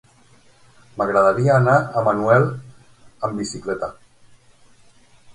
M'agradaria anar a Manuel amb bicicleta.